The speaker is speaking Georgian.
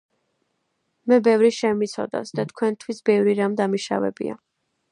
მე ბევრი შემიცოდავს და თქვენთვის ბევრი რამ დამიშავებია.